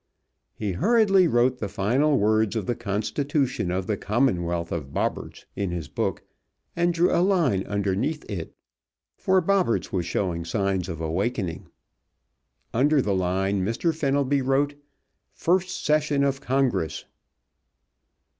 He hurriedly wrote the final words of the Constitution of the Commonwealth of Bobberts in his book and drew a line underneath it, for Bobberts was showing signs of awakening. Under the line Mr. Fenelby wrote "First Session of Congress."